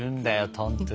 トントゥ！